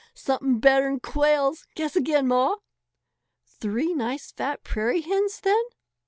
"Something better'n quails! Guess again, Ma!" "Three nice fat prairie hens then."